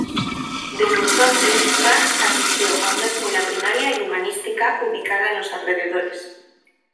Desde entonces, Max asistió a una escuela primaria y humanística ubicada en los alrededores.